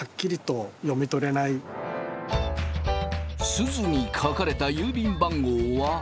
すずに書かれた郵便番号は。